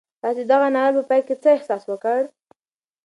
تاسو د دغه ناول په پای کې څه احساس وکړ؟